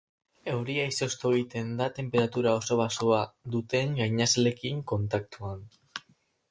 Euria izoztu egiten da tenperatura oso baxua duten gainazalekin kontaktuan.